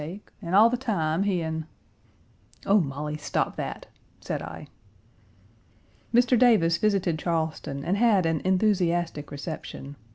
Page 253 sake, and all the time he an " "Oh, Molly, stop that!" said I. Mr. Davis visited Charleston and had an enthusiastic reception.